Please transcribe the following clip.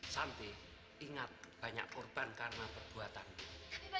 santi ingat banyak korban karena perbuatannya